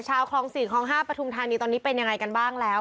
ชาวคลอง๔คลอง๕ปทุมธานีตอนนี้เป็นยังไงกันบ้างแล้ว